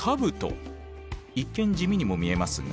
一見地味にも見えますが。